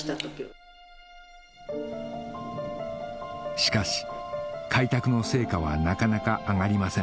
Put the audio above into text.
しかし開拓の成果はなかなか上がりません